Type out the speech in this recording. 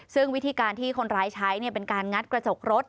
ซึ่งวิธีการที่คนร้ายใช้เป็นการงัดกระจกรถ